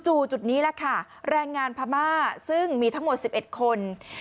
จุดนี้แหละค่ะแรงงานพม่าซึ่งมีทั้งหมด๑๑คน